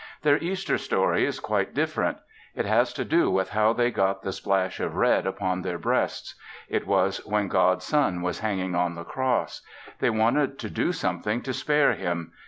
Their Easter story is quite different. It has to do with how they got the splash of red upon their breasts. It was when God's son was hanging on the cross. They wanted to do something to spare him.